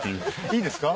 いいですか？